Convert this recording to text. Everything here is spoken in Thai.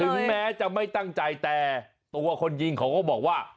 แม้จะไม่ตั้งใจแต่ตัวคนยิงเขาก็บอกว่า